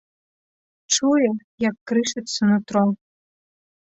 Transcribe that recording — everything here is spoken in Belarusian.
Чуе, як крышыцца нутро.